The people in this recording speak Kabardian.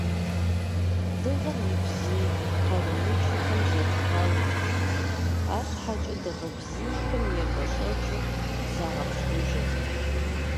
Дыгъэм и бзий къарууншэхэм зедгъэурт, арщхьэкӀэ дыгъэ бзийхэм епӀэщӀэкӀыу загъэпщкӀужырт.